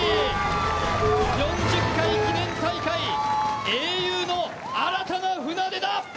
４０回記念大会、英雄の新たな船出だ。